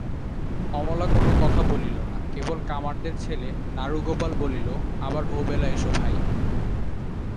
অমলা কোনো কথা বলিল না, কেবল কামারদের ছেলে নাড়ুগোপাল বলিল, আবার ওবেলা এসো ভাই!